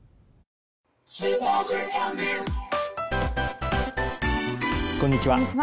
こんにちは。